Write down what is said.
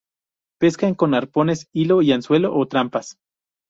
Pescan con arpones, hilo y anzuelo o trampas.